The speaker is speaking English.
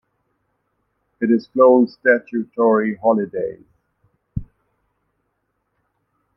It is closed statutory holidays.